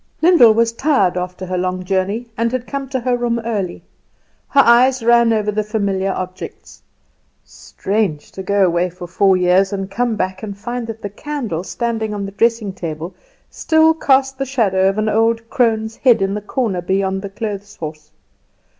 Lyndall was tired after her long journey, and had come to her room early. Her eyes ran over the familiar objects. Strange to go away for four years, and come back, and find that the candle standing on the dressing table still cast the shadow of an old crone's head in the corner beyond the clothes horse.